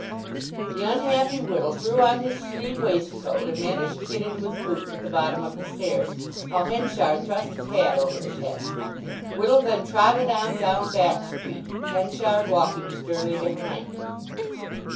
The unhappy Whittle threw on his sleeve waistcoat, and managed to get into his boots at the bottom of the stairs, while Henchard thrust his hat over his head. Whittle then trotted on down Back Street, Henchard walking sternly behind.